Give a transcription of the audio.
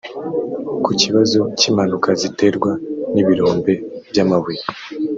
Ku kibazo cy'impanuka ziterwa n'ibirombe by'amabuye